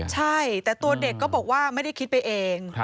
ใช่แต่ตัวเด็กก็บอกว่าไม่ได้คิดไปเอง